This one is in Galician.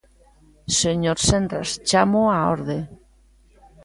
Señor Senras, chámoo á orde.